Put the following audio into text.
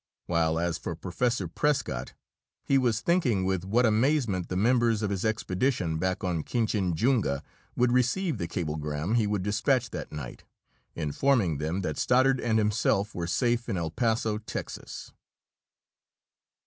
While as for Professor Prescott, he was thinking with what amazement the members of his expedition back on Kinchinjunga would receive the cablegram he would dispatch that night, informing them that Stoddard and himself were safe in El Paso, Texas.